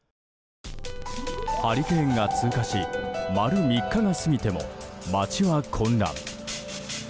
ハリケーンが通過し丸３日が過ぎても街は混乱。